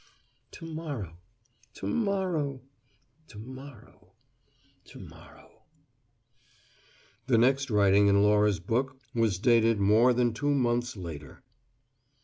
To morrow! To morrow! To morrow! To morrow!" The next writing in Laura's book was dated more than two months later